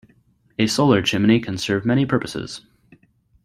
A solar chimney can serve many purposes.